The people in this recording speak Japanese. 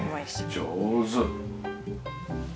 上手！